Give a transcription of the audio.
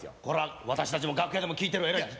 これは私たちも楽屋でも聞いてる。